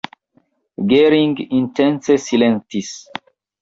Gering intence silentis.